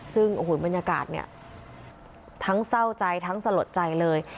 ซึ่งโอ้โหบรรยากาศเนี่ยทั้งเศร้าใจทั้งสลดใจเลย